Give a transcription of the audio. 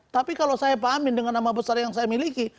tapi kalau saya pahamin dengan nama besar yang saya miliki